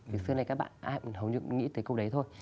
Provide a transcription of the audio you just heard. vì xưa nay các bạn hầu như nghĩ tới câu đấy thôi